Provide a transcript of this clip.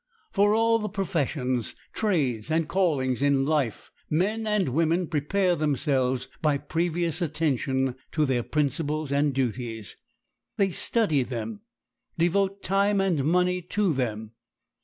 For all the professions, trades, and callings in life men and women prepare themselves by previous attention to their principles and duties. They study them,—devote time and money to them.